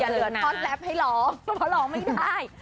อย่าลืมฮอทแรปให้หลอกหลอกไม่ได้